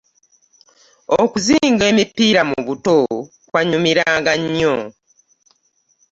Okuzinga emipiira mu buto kwannyumiranga nnyo.